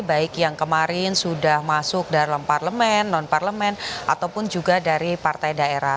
baik yang kemarin sudah masuk dalam parlemen non parlemen ataupun juga dari partai daerah